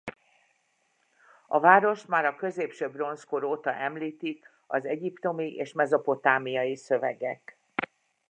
A várost már a középső bronzkor óta említik az egyiptomi és mezopotámiai szövegek.